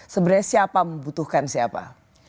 sebenarnya siapa membutuhkan siapa